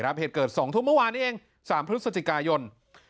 เหตุเกิด๒ทุ่มเมื่อวานนี้เอง๓พฤศจิกายน